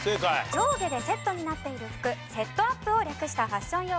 上下でセットになっている服セットアップを略したファッション用語です。